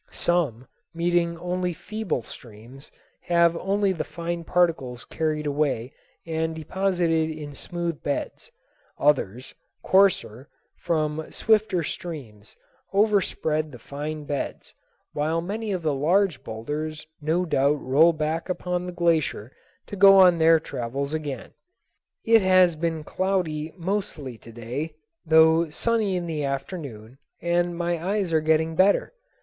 Some, meeting only feeble streams, have only the fine particles carried away and deposited in smooth beds; others, coarser, from swifter streams, overspread the fine beds, while many of the large boulders no doubt roll back upon the glacier to go on their travels again. It has been cloudy mostly to day, though sunny in the afternoon, and my eyes are getting better.